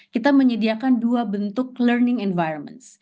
kita menyediakan dua bentuk learning environment